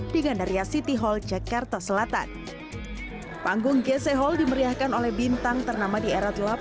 di gandaria city hall jakarta selatan panggung gc hall dimeriahkan oleh bintang ternama di era